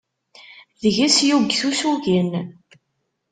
Deg-s yuget usugen.